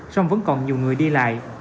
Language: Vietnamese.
song vẫn còn nhiều người đi lại